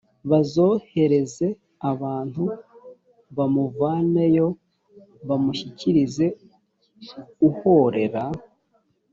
bazohereze abantu bamuvaneyo bamushyikirize uhorera